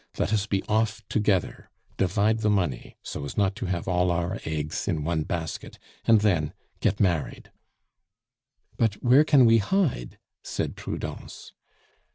Let us be off together; divide the money, so as not to have all our eggs in one basket, and then get married." "But where can we hide?" said Prudence.